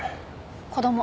子供？